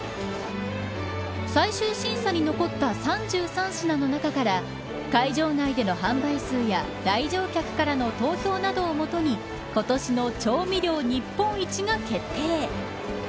最終審査に残った３３品の中から会場内での販売数や来場客からの投票などをもとに今年の調味料日本一が決定。